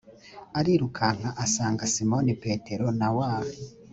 arirukanka asanga simoni petero na wa